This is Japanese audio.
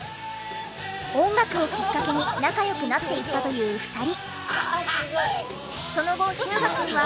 音楽をきっかけに仲良くなっていったという２人。